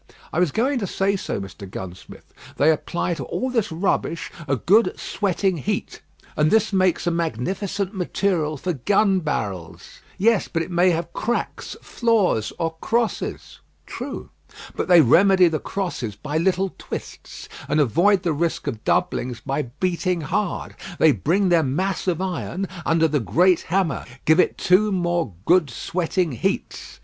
"I was going to say so, Mr. Gunsmith. They apply to all this rubbish a good sweating heat, and this makes a magnificent material for gun barrels." "Yes; but it may have cracks, flaws, or crosses." "True; but they remedy the crosses by little twists, and avoid the risk of doublings by beating hard. They bring their mass of iron under the great hammer; give it two more good sweating heats.